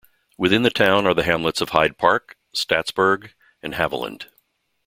Within the town are the hamlets of Hyde Park, Staatsburg, and Haviland.